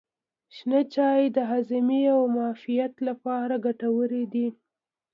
شنه چای د هاضمې او معافیت لپاره ګټور دی.